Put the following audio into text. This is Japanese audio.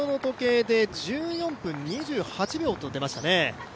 １４分２８秒と出ましたね。